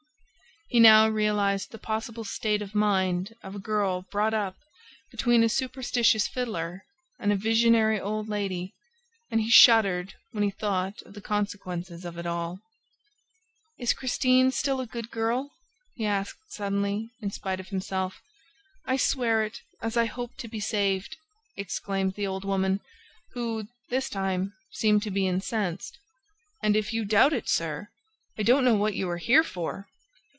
He now realized the possible state of mind of a girl brought up between a superstitious fiddler and a visionary old lady and he shuddered when he thought of the consequences of it all. "Is Christine still a good girl?" he asked suddenly, in spite of himself. "I swear it, as I hope to be saved!" exclaimed the old woman, who, this time, seemed to be incensed. "And, if you doubt it, sir, I don't know what you are here for!"